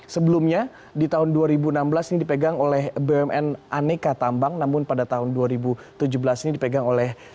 sebelumnya di tahun dua ribu enam belas ini dipegang oleh bumn aneka tambang namun pada tahun dua ribu tujuh belas ini dipegang oleh